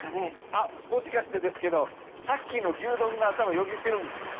あっもしかしてですけどさっきの牛丼が頭よぎってるんですね。